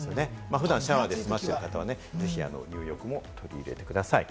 普段、シャワーで済ませている方はぜひ入浴も取り入れてください。